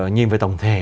nhìn về tổng thể